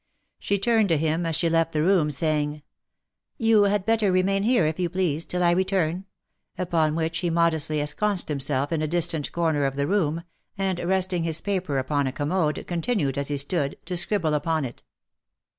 She turned to him as she left the room, saying, " You had better remain here, if you please, till I return," upon which he modestly ensconced himself in a distant corner of the room, and resting his paper upon a commode, continued, as he stood, to scribble upon it.